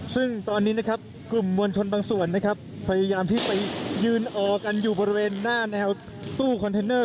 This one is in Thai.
ซึ่งตอนนี้นะครับกลุ่มมวลชนบางส่วนนะครับพยายามที่ไปยืนออกันอยู่บริเวณหน้าแนวตู้คอนเทนเนอร์